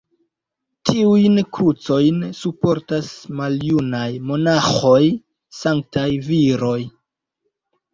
Tiujn krucojn surportas maljunaj monaĥoj, sanktaj viroj.